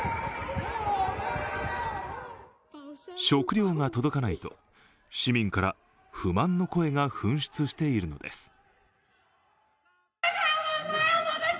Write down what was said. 食料が届かないと、市民から不満の声が噴出しているのです。